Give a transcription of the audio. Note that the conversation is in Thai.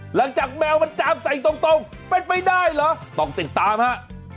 แมวมันจามใส่ตรงเป็นไปได้เหรอต้องติดตามฮะ